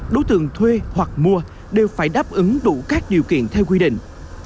đối tượng thuê hoặc mua đều phải đáp ứng đủ các điều kiện theo quy định